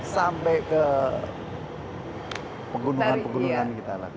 sampai ke pegunungan pegunungan kita lakukan